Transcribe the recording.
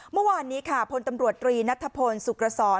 เมื่อวานนี้ค่ะพลตำรวจตรีนัทพลสุขรสร